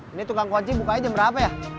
ini tukang kunci bukanya jam berapa ya